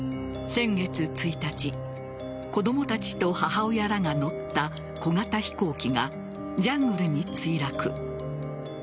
先月１日子供たちと母親らが乗った小型飛行機がジャングルに墜落。